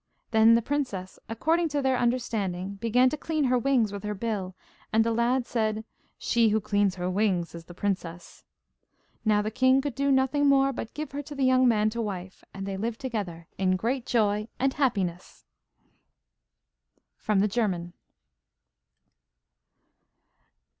Then the princess, according to their understanding, began to clean her wings with her bill, and the lad said: 'She who cleans her wings is the princess.' Now the king could do nothing more but give her to the young man to wife, and they lived together in great joy and happiness. (From the German.)